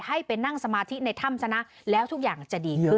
ให้ไปนั่งสมาธิในถ้ำซะนะแล้วทุกอย่างจะดีขึ้น